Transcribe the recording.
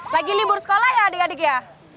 lagi libur sekolah ya adik adik ya